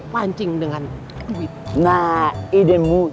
padahal gak disitu